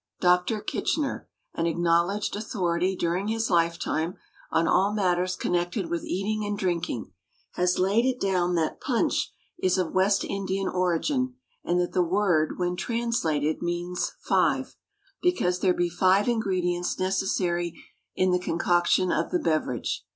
DOCTOR KITCHENER, an acknowledged authority, during his lifetime, on all matters connected with eating and drinking, has laid it down that punch is of West Indian origin, and that the word when translated, means "five"; because there be five ingredients necessary in the concoction of the beverage.